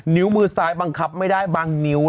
นิ้วมือซ้ายบังคับไม่ได้บางนิ้ว